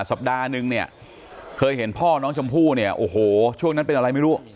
สัปดาห์นึงเนี่ยเคยเห็นพ่อน้องชมพู่เนี่ยโอ้โหช่วงนั้นเป็นอะไรไม่รู้